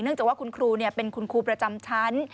จากว่าคุณครูเป็นคุณครูประจำชั้น